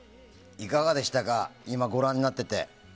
いかがでしたか今、ご覧になってて。